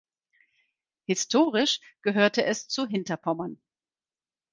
Historisch gehörte es zu Hinterpommern.